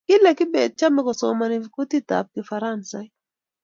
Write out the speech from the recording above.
kile kibet chome kosomani kutitab kifaransaik